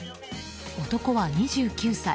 男は２９歳。